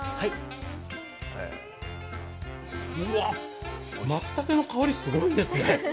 うわ、まつたけの香り、すごいですね。